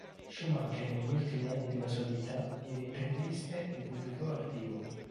Schumacher negli ultimi anni della sua vita diede interviste e pubblicò articoli.